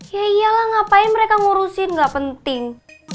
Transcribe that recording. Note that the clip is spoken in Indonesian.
ya iyalah ngapain mereka ngurusin gak penting